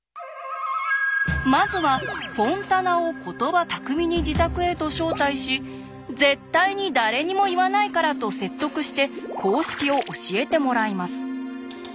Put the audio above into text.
まずはフォンタナを言葉巧みに自宅へと招待し「絶対に誰にも言わないから」と説得して公式を教えてもらいます。